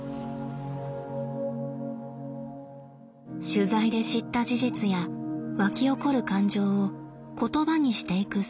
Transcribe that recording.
取材で知った事実や沸き起こる感情を言葉にしていく作業。